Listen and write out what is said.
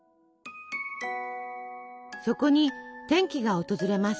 そこに転機が訪れます。